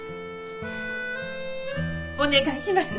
お願いします。